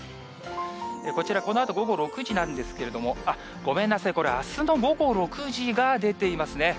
こちら、このあと午後６時なんですけれども、あっ、ごめんなさい、これあすの午後６時が出ていますね。